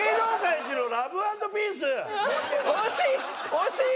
惜しい！